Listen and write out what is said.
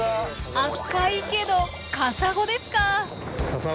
赤いけどカサゴですか！